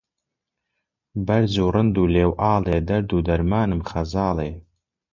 بەرز و ڕند و ڵێوئاڵێ دەرد و دەرمانم خەزاڵێ